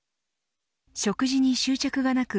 食事に執着がなく